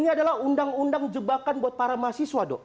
ini adalah undang undang jebakan buat para mahasiswa dok